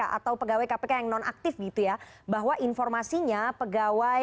atau pegawai kpk yang non aktif gitu ya bahwa informasinya pegawai